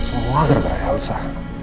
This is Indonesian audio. semua gara gara elsa